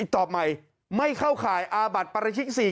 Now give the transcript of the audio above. ตอบใหม่ไม่เข้าข่ายอาบัติปราชิก๔